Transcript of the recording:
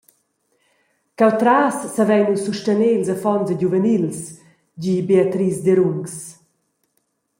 Cheutras savein nus sustener ils affons e giuvenils», gi Beatrice Derungs.